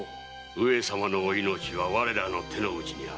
上様のお命は我らの手のうちにある。